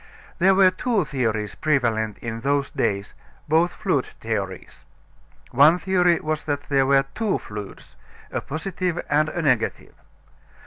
There were two theories prevalent in those days both fluid theories. One theory was that there were two fluids, a positive and a negative.